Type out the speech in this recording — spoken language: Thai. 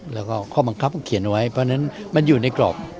แล้วก็ข้อบังคับก็เขียนไว้เพราะฉะนั้นมันอยู่ในกรอบ